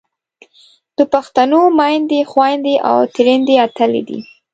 د پښتنو میندې، خویندې او تریندې اتلې دي.